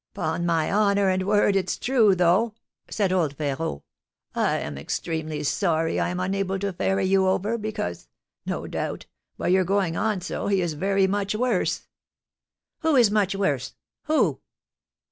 "'Pon my honour and word, it's true, though," said old Férot. "I am extremely sorry I am unable to ferry you over, because, no doubt, by your going on so, he is very much worse." "Who is much worse? Who?"